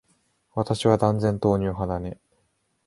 私は断然、豆乳派だね。